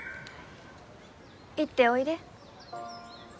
行っておいで。